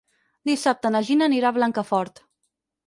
Dissabte na Gina anirà a Blancafort.